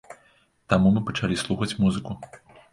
Таму мы пачалі слухаць музыку.